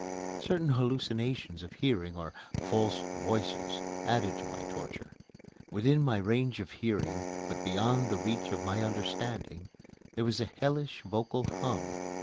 Certain hallucinations of hearing, or "false voices," added to my torture. Within my range of hearing, but beyond the reach of my understanding, there was a hellish vocal hum.